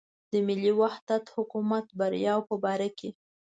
د ملي وحدت حکومت بریاوو په باره کې.